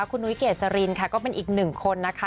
คุณนุ้ยเกษรินค่ะก็เป็นอีกหนึ่งคนนะคะ